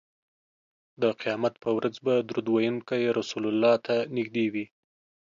د قیامت په ورځ به درود ویونکی رسول الله ته نږدې وي